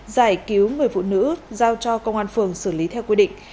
giải cứu người phụ nữ giao cho công an phường xử lý theo quy định